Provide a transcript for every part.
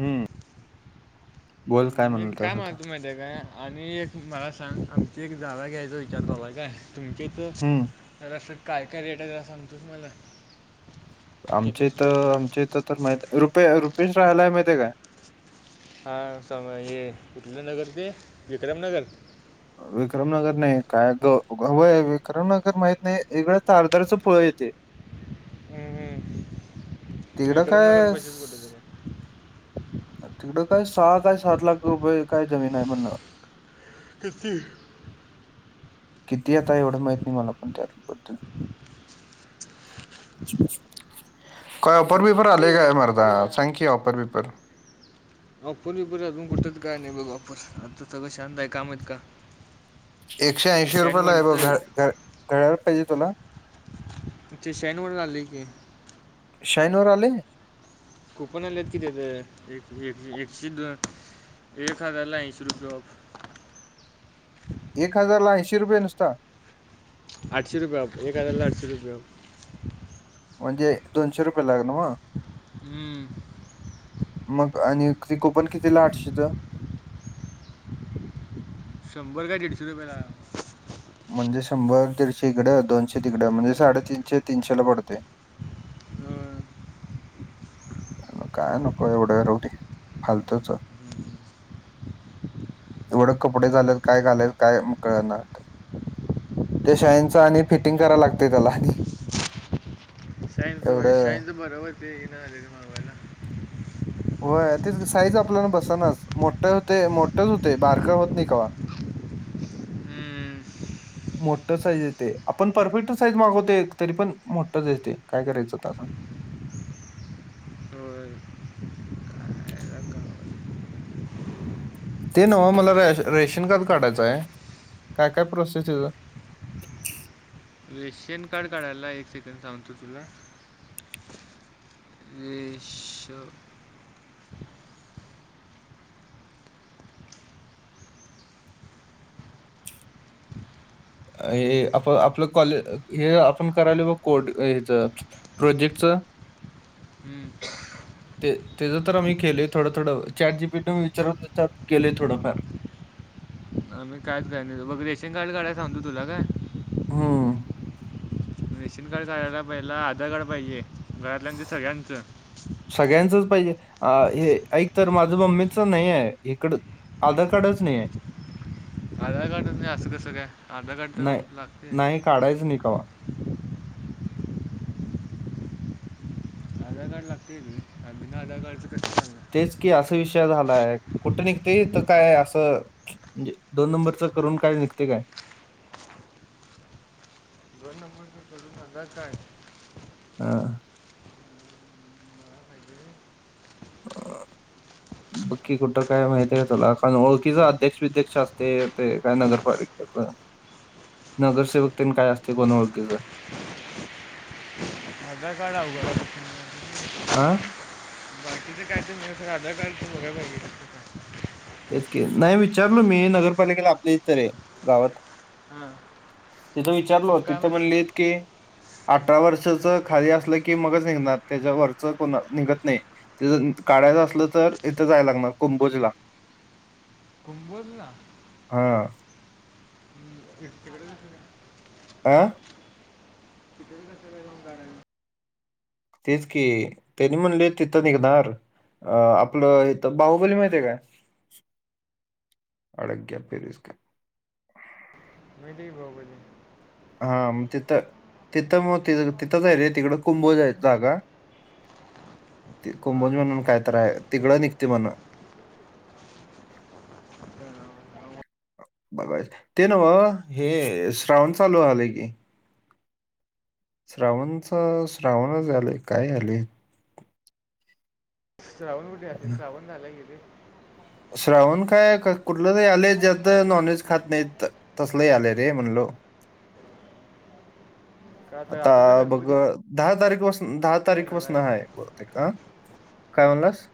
हम्म. बोल मी म्हणल तस काय म्हणाल होता तो माहिती आहे काय. आणि एक मला सांग आमची एक जागा घ्यायची विचार चालूय काय तुमच्या इथं. हम्म जरासं काय काय रेट आहे सांगतोस मला. किती आमच्या स्क्वेअर फूट इथं आहे आमच्या इथं तर नाहीत. रुपे रुपेश राहायलाय माहितय काय. हा स हे कुठलं नगर ते विक्रमनगर. विक्रमनगर नाही. काय तो विक्रमनगर माहित नाही इकडं तारदारचं फळ येते. हम्म हम्म तिकडं विक्रमनगर काय पशिच कुठे तरी स- आहे. तिकडं काय सहा काय सात लाख रुपये, काय जमीन आहे म्हण. तेच की. किती आता एवढं माहित नाही. मला पण त्यातबद्दल. काय ऑफर बिफर किती आले का मार सांग की ऑफर बिफर. ऑफर बिफर अजून कुठच काय नाही बग ऑफर अजून शांत आहे का काय माहित का. एकशे ते ऐंशी रुपयाला शाईनवर आहे तर बघ. घड्याला पाहिजे तुला. [unintelligible] आले की. शाईन वर आलंय. कूपन आलेत कि, तेच एक एकशे द एक हजार ला ऐंशी रुपये ऑफ. एक हजारला ऐंशी रुपये नुसता. आठशे रुपये ऑफ, एक हजार ला आठशे रुपये ऑफ. म्हणजे दोनशे रुपये आहे नव्हं. हम्म, मग आणि ति कुपन कितीला आठशेचं. शंभर काय दीडशे रुपया हाय. म्हणजे शंभर दीडशे इकड, दोनशे तिकड म्हणजे साडेतीनशे तीनशे ला पडते. हो. काय नको एवढं राहूदे फालतुच. एवढं कपडे झाले काय घालायचं काय कळना वाटत. त्या शाईनचं आणि फिटिंग कराय लागतेय. त्याला आणि शयन ते एवढं शयन ते बरोबर इन मागवायल. व्हय तेच साईज आपल्याला बसनाच. मोठ होते मोठच होते बारक होत नाही कवा. हम्म. मोठ साईज येते. आपण परफेक्ट साईज मागवते. तरी पण मोठच येते काय करायचं आता सांग. होय काय आता. ते नवं मला रेश रेशन कार्ड काढायचं हाय. काय काय प्रोसेस तेच. रेशन कार्ड काढायला एक सेकंड सांगतो तुला. वेश. हे आप आपलं कॉले हे आपण करायला ब कोड हेच. प्रोजेक्टच. हम्म. तेचं तर आम्ही केलेय थोडं थोडं. चॅट जीपीट विचारून त्यात केलेय थोडं फार. आम्ही काय प्लॅन बघ. रेशन कार्ड काढायं सांगतो तुला काय. हम. रेशन कार्ड काढायला पहिला, आधार कार्ड पाहिजे घरातल्या सगळ्यांचं. सगळ्यांचंच पाहिजे हे ऐक तर, माझं मम्मीच नाही ये हिकडं. आधार कार्डच नाहीये. आधार कार्ड नाही असं कसं काय आधार कार्ड तर लागतयच काढायच नाही कव्हा. आधार कार्ड लागतेे बिणा आधार कार्ड चालणा तेच की असा विषय झालाय, कुठं निघतय इथं काय असं. म्हणजे, दोन नंबरच करून काय निघते काय? दोन नंबरच करून आधार कार्ड? हा. म्हणजे. [inaudible] [inaudible] बघ की कुठं काय माहिती आहे तुला कारण ओळखीचा अध्यक्ष विध्यक्ष असते ते काय नगरपालिके. [unintelligible] नगरसेवक तेन काय असतय कोण ओळखीचं. आधार कार्ड अवघड आहे, तसं मिळायचं. आं? बाकीच काय नाही पण मिळलं, आधार कार्डच बघायला पाहिजे. तेच की नाही विचारलो मी नगरपालिकेला आपल्या इथं रे, गावात हां तिथं मग विचारलो काय तिथं म्हणलं म्हणलीत की अठरा वर्षाचं खाली असलं की मगच निघणार, त्याच्यावरचं निघत नाही. ते जर काढायचं असल तर इथं जायला लागणार कुंभोजला. कुंभोजला? हा. [unintelligible] आं? तिकडे का जाऊन काढायचं? तेच की त्यांनी म्हणले तिथं निघणार. अ आपलं इथं बाहुबली माहितीये काय? अड्या पिरसकर माहितीये की बाहुबली. हा मग तिथं, तिथं मग ति तिथंचय रे तिकड कुंभोज ये जागा. ते कुंभोज हां म्हणून काय तरय तिकडं निघते म्हण. [unintelligible] बघायचं, ते नव्ह हे अ श्रावण चालू झालंय की. श्रावणच श्रावणच आलेय काय आलंय? श्रावण कुठे असेल, श्रावण झालं की रे. श्रावण काय कुठलं त आलंय ज्या नॉनव्हेज खात नाहीत, तसल यालय रे म्हणलो. का आता तर बघ. गणपती दहा तारीखपासून दहा येणार तारीखपासून आहे हाय बहुतेक, आ? काय म्हणलास?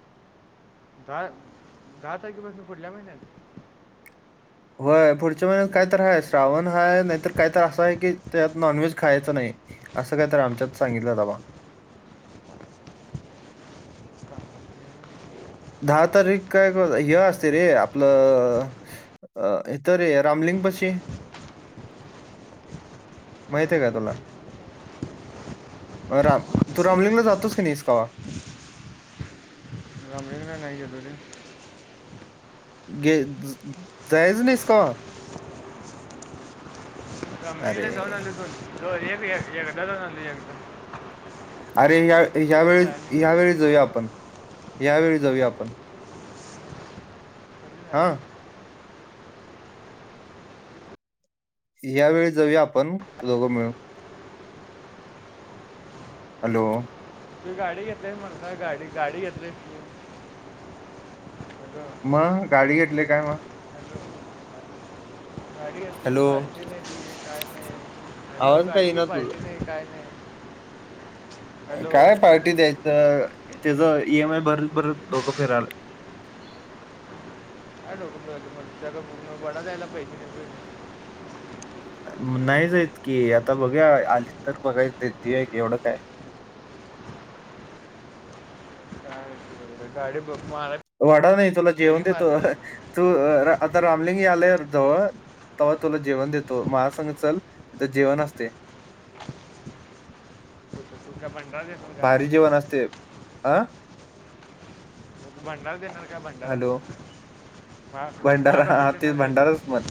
दहा, दहा तारखेपासून पुढल्या महिन्यात? होय पुढच्या महिन्यात काय तर हा श्रावण हाय, नाहीतर काय तर असं आहे की त्यात नॉनव्हेज खायच नाही. असं काय तर आमच्यात सांगितल्यात बाबा. का? दहा तारीख काय मर्दा हे असं असते रे का? आपलं. अ इथं रे रामलिंगपाशी. माहित आहे काय तुला? राम तू रामलिंगला जातोस की नाहीस कवा? नाय गेलो रे. गे जायच नाहीस कवा. अरे [unintelligible] अरे ह परत जायला ह्यावेेळी नाही. ह्यावेेळी जाऊया आपण. या वेळी जाऊया आपण कधी हा. जायचं? या वेळी जाऊया आपण दोघं मिळून. हॅलो. तु गाडी घेतली मर्दा गाडी गाडी घेतलायस तु. मग गाडी घेतली, काय मग. [unintelligible] हॅलो हॅलो आवाज काय गाडी ची येईना तुझा पार्टी नाही, काय नाही हॅलो. काय पार्टी द्यायचं. तेच ई एम आय भरत भरत दोघं फिरालोय. [unintelligible] वडा खायाला पैसे नाहीत. नाहीचेत की आता बघूया आली. तर बघायच ती देवू या एवढं काय. काय बरं, गाडी बघ [unintelligible] वडा नाही तुला जेवण फेरी मार देतो, तू आता रामलिंग यालय जवळ. तवा तुला जेवण देतो, माजा संग चल तिथं जेवण असते. [unintelligible] भारी जेवण असते आ. भंडारा देणार काय भंडारा. हॅलो महा भंडारा हा महाप्रसाद ते देणार काय तू भंडाराच म्हण.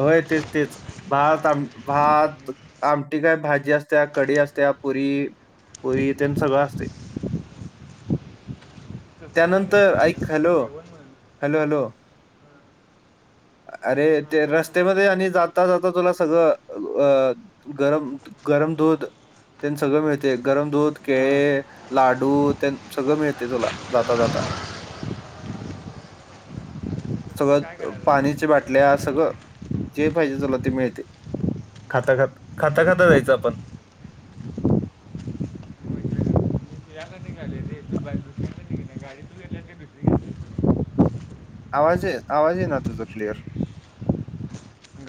होय तेच तेच भात काय आमटी भात. आमटी काय भाजी असत्या कढी असत्या पुरी. पुरीण तेण सगळं असतंय. कसलं काय त्यानंतर करायला आपल्याला ऐक हॅलो जेवण म्हणून हॅलो हॅलो. अरे हां ते बोल ना रस्त्यामध्ये आणि जात. जाता जाता तुला सगळं अ गरम गरम दूध. तेनं सगळं मिळते. गरम दूध हां केळे लाडू तेनं सगळं मिळते तुला जाता जाता. कसलं काय सगळं करायला पाण्याची बाटल्या काय सगळं, जे पाहिजे तुला ते मिळते. खाता खाता खाता खाता जायचं आपण. हो याला निघालो रे. [unintelligible] गाडी तु घेतलीस का दुसरी घेतली. आवाज आवाज इना तुझा क्लिअर.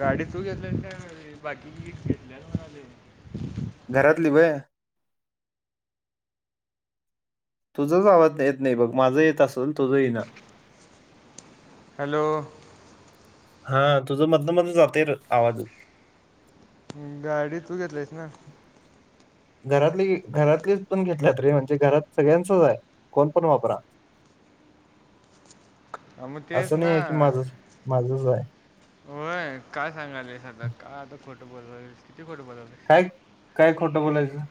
गाडी तू घेतलायस बाकीची घेतल्यात म्हणालोय. घरातली व्हय. तुझंच आवज येत नाही बघ. माझं येत असल तुझं इना. हॅलो. हा तुझं मधन मधन जातय र आवाज. गाडी तू घेतलीस ना. घरातली घरातलीच पण घेतल्यारे, म्हणजे घरात सगळ्यांचच आहे कोण पण वापरा. हा मग तेच असं नाही ना. आहे की माझं माझंच आय. होय काय सांगालेस. काय आता खोटं बोलायलास किती खोटं बोलायलास. काय काय खोटं बोलायचं.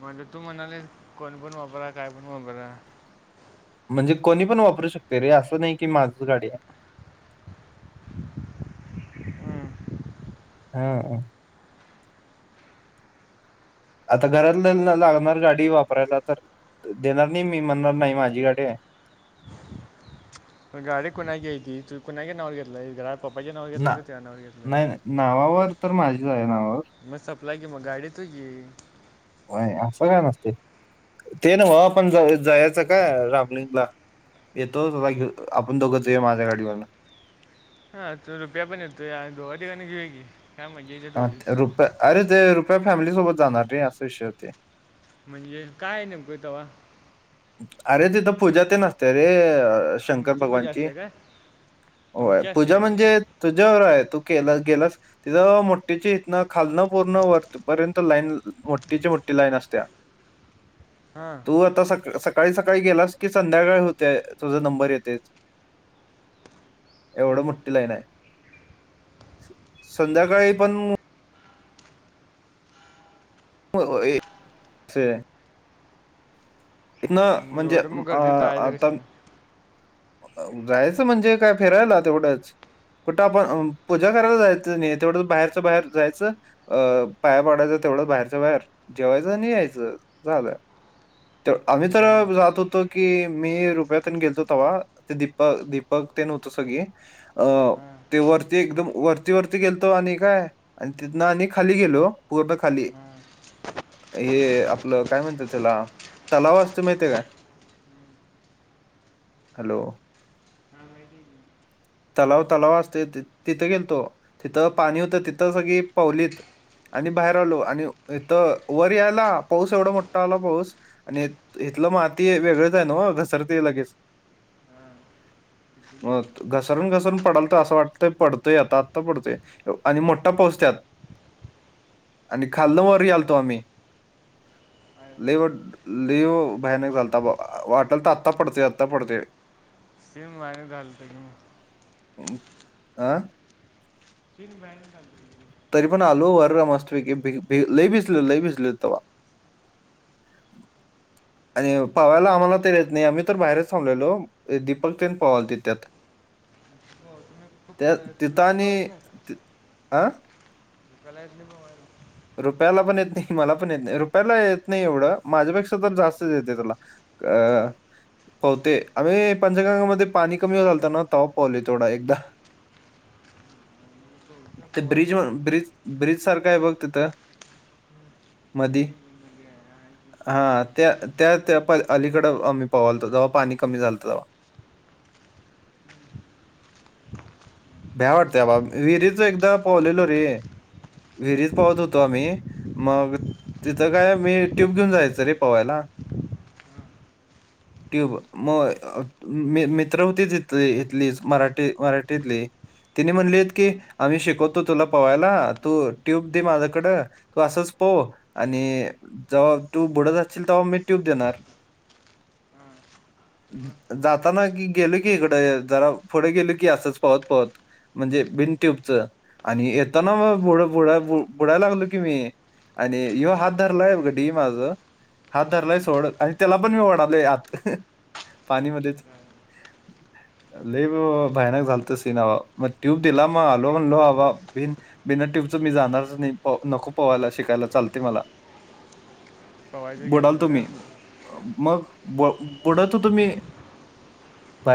म्हणजे तू म्हणाली, कोण पण वापरा काय पण वापरा. म्हणजे कोणी पण वापरू शकते रे, असं नाही की माझीच गाडी आहे. हम्म. हा. आता घरातल्याना लागणार गाडी वापरायला तर देणार नाही मी? म्हणणार नाही माझी गाडी आहे. पण गाडी कुणाची आहे ती कुणाच्या नावावर घेतलाय? घरात पप्पाच्या नाववर घेतलास ना का तुझ्या नावावर घेतय? नाही नाही, नावावर तर माझ्याच आहे, नावावर. मग सपला की मग गाडी तू घे. व्हय असं काय नसते, ते न्हवं पण जा जायचं का रामलिंगला? येतो स बाईक घेऊन, आपण दोघं जाऊया माझ्या गाडीवरन. हा तो रुप्या पण येतोय, आणि दोघा तीघाना घेऊया की. काय मजा येते हा ते थोडीच रुप्या, अरे ते रुप्या फॅमिली सोबत जाणार रे, असा विषय होतय. म्हणजे काय नेमक तव्हा? अरे तिथं पूजा तेन असतीया रे. अस शंकर तुमची पूजा भगवानची, असते का होय तुमची असते पूजा काय ते म्हणजे. तुझ्या वर आहे, तू केला गेलास तिथ मोठीच्या हितन खालं पुर्ण वरती पर्यंत लाईन मोठीच्या मोठी लाईन असत्या. हा. बर तसा सकाळी सकाळी गेलास की, संध्याकाळ होते तुझा नंबर येतेच. एवढं हम्म. मोठी लाईन आहे, संध्याकाळी पण हो ऐक से इथन मग म्हणजे एवढं मग अ गर्दीत जायचं आता. कसं जायचं म्हणजे काय? फिरायला तेवढंच. कुठं आपण पूजा करायला जायचं नाही, तेवढं बाहेरच्या बाहेर जायचं. अ पाया पडायचं तेवढं बाहेरच्या बाहेर, जेवायचं आणि यायचं झालं. तर आम्ही तर बंड जात होतो. की मी रुपेत गेलतो तवा दीपक दीपक तेन होतो सगळी. अ हां ते वरती एकदम वरती वरती गेलतो आणि काय आणि ति ना आणि खाली गेलो. पूर्ण खाली, हां हां हे आपलं काय म्हणत त्याला? तलाव असतं माहिते काय? हॅलो. ह माहिते तलाव तलाव असते तिथं तिथं गिलतो पाणी होतं तिथ सगळी पवलीत. आणि बाहेर आलो आणि इथ वर याला पाऊस एवढा मोठा आला पाऊस. आणि इथलं माती वेगळच आहे नाव घसरते लगेच. हा. मग घस रून घसरून पडलत तर असं वाटतंय पडतोय, आता आत्ता पडतोय आणि मोठा पाऊस. आणि खाल्लन वर आलतो आम्ही. लय भयानक झालता वाटालत आत्ता पडते आत्ता पडते. सेम माझ्या झालंत मग. आं? [unintelligible] तरी पण आलो वर मस्तपैकीे भ भ लई भिजले लई भिसले तवा. आणि पवायला आम्हाला तर येत नाही आम्ही तर बाहेरच थांबलेलो दीपक तेन पवाल ते त्यात. पवाय येत नाय? आं. याला येत नाही पवायला. रुपयाला पण येत नाही. मला पण येत नाही रुपयाला येत नाही, एवढं माझ्यापेक्षा तर जास्तच येते तुला. अं. पोवतोय आम्ही पंचगांगामध्ये पाणी कमी झालत नवं, तवा पोवले तेवढं एकदा. हो. ते ब्रिज ब्रिज ब्रिज सारख आहे बघ तिथ मधी. ते मध्ये आहे हा आहे की. हा त्या त्या त्या प अलीकडं आम्ही पवालतो. तव्हा पाणी कमी झालतं तेव्हा. भ्या वाटत आबा. विहिरीच एकदा पोवलेलो रे. विहिरीत पोहत होतो. आम्ही मग, तिथं काय मी ट्यूब घेऊन जायचो रे पवायला. हां. ट्यूब मग मी मित्र होती. इथ इथलीच मराठी मराठीतली. तिन्ही म्हणलीत की आम्ही शिकवतो, तुला पवायला तू ट्यूब दे माझ्याकडं. तू असंच पोव आणि जव्हा तू बुडत असील तेव्हा मी ट्यूब देणार. [inaudible] मग, जाताना की गेलो की हिकडं जरा, पुढं गेलो की असंच पोहत पोहत. म्हणजे बिन ट्युबच आणि हा, येताना, मग बुडा बुडायला लागलो की मी. आणि हा, ह्यो हात धरलाय गडी माझ, हात धरलाय हा. सोड आणि त्याला. पण मी ओढायलो आत पाणीमध्येच. लै भयानक झालत सीन आबा. मग ट्यूब दिला मग आलो. म्हणलो बाबा बिन बिना ट्यूबचं मी जाणारच नाही. नको पोहायला शिकायला चालते मला. [inaudible] पोहायचं बुडाल कॅन्सल तो मी काय मग ब बुडत होतो मी. बाहेर